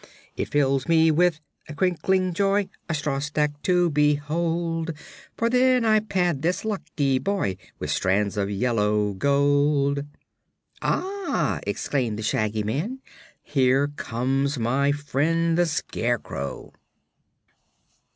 It fills me with a crunkling joy A straw stack to behold, For then I pad this lucky boy With strands of yellow gold." "Ah!" exclaimed the Shaggy Man; "here comes my friend the Scarecrow."